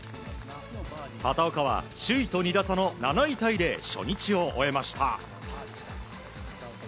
畑岡は首位と２打差の７位タイで初日を終えました。